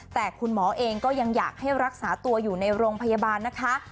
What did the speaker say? แต่คุณหมอเองก็ยังอยากให้รักษาตัวอยู่ในโรงพยาบาลนะคะ